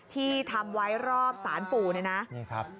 ที่ทำไว้รอบศาลปู่นะนี่ครับ